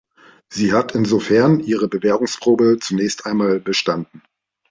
Sie hat insofern ihre Bewährungsprobe zunächst einmal bestanden.